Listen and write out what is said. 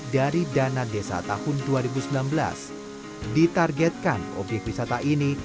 dari dana desa tahun dua ribu sembilan belas ditargetkan obyek wisata ini